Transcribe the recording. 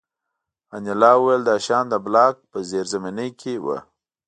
انیلا وویل دا شیان د بلاک په زیرزمینۍ کې وو